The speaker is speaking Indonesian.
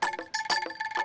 yuk cannana temen